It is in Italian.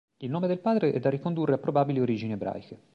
Il nome del padre è da ricondurre a probabili origini ebraiche.